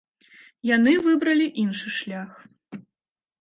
Яны выбралі іншы шлях.